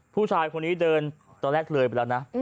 ผู้ชายคนนี้เดินตอนแรกเลยไปแล้วนะ